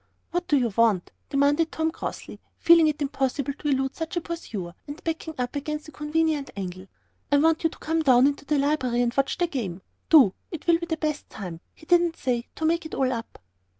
"What do you want?" demanded Tom, crossly, feeling it impossible to elude such a pursuer, and backing up against a convenient angle. "I want you to come up into the library and watch the game. Do, it'll be the best time," he didn't say "to make it all up."